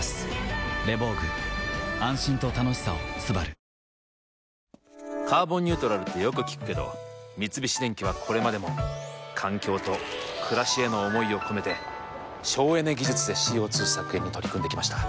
キリンのクラフトビール「スプリングバレー」「カーボンニュートラル」ってよく聞くけど三菱電機はこれまでも環境と暮らしへの思いを込めて省エネ技術でＣＯ２削減に取り組んできました。